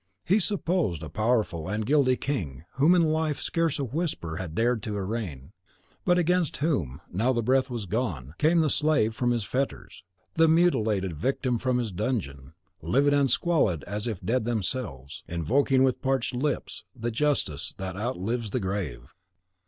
He supposed a powerful and guilty king whom in life scarce a whisper had dared to arraign, but against whom, now the breath was gone, came the slave from his fetters, the mutilated victim from his dungeon, livid and squalid as if dead themselves, invoking with parched lips the justice that outlives the grave.